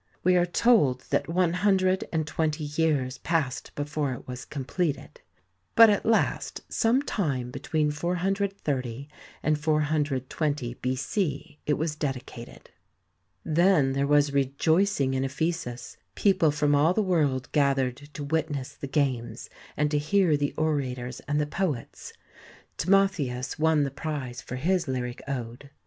We are told that one hundred and twenty years passed before it was completed, but at last, sometime between 430 and 420 B.C., it was dedicated. Then there was rejoicing in Ephesus ; people from all the world gathered to witness the games and to hear the orators and the poets. Timotheus won the prize for his lyric ode.